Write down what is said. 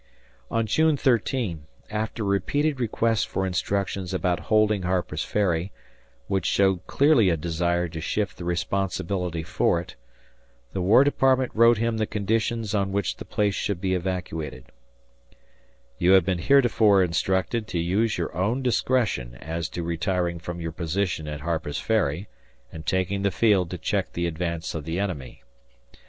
On June 13, after repeated requests for instructions about holding Harper's Ferry, which showed clearly a desire to shift the responsibility for it, the War Department wrote him the conditions on which the place should be evacuated: "You have been heretofore instructed to use your own discretion as to retiring from your position at Harper's Ferry and taking the field to check the advance of the enemy.